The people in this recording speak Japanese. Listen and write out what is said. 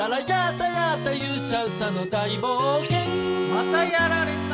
またやられた。